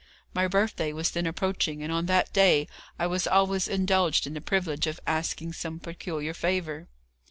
My birthday was then approaching, and on that day I was always indulged in the privilege of asking some peculiar favour.